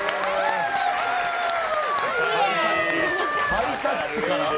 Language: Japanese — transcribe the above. ハイタッチから。